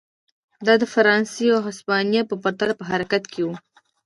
دا د فرانسې او هسپانیې په پرتله په حرکت کې و.